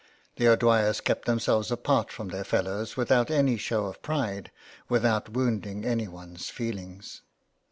The O'Dwyers kept themselves apart from their fellows without any show of pride, without wounding anyone's feelings.